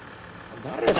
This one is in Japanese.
誰だ？